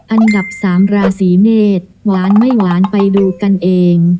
อันดับสามราศีเมษหวานไม่หวานไปดูกันเอง